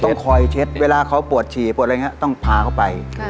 ต้องคอยเช็ดเวลาเขาปวดฉี่ปวดอะไรอย่างนี้ต้องพาเขาไป